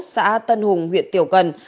xã tân hùng huyện tiểu cần